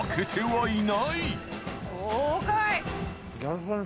はい。